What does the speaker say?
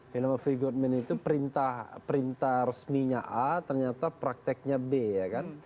film a few good men itu perintah resminya a ternyata prakteknya b ya kan